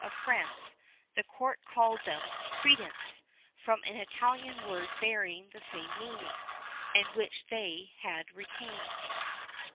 of France the court called them crédence, from an Italian word bearing the same meaning,[XXXI 25] and which they have retained.